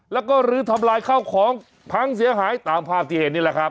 แล้วก็ลื้อทำลายข้าวของพังเสียหายตามภาพที่เห็นนี่แหละครับ